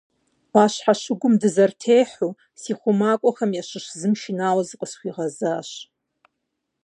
Ӏуащхьэ щыгум дызэрытехьэу, си хъумакӀуэхэм ящыщ зым шынауэ зыкъысхуигъэзащ.